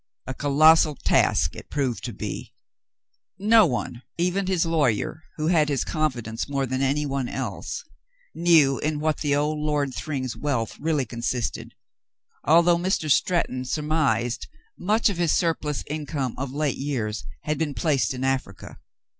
A colossal task it proved to be. No one, even his lawyer, who had his confidence more than any one else, knew in what the old Lord Thryng's wealth really consisted, although Mr. Stretton surmised much of his surplus income of late years had been placed in Africa.